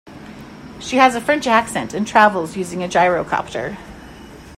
She has a French accent and travels using a gyrocopter.